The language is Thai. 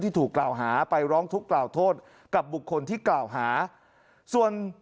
ถูกกล่าวหาไปร้องทุกข์กล่าวโทษกับบุคคลที่กล่าวหาส่วน